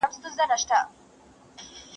ستا د میني پر ادرس مي درته پام سي